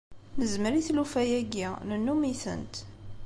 Nezmer i tlufa-agi, nennum-itent.